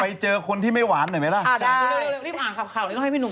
ไปเจอคนที่ไม่หวานหน่อยจบได้